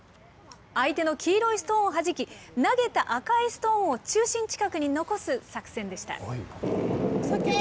相手の黄色いストーンをはじき、投げた赤いストーンを中心近くに残す作戦でした。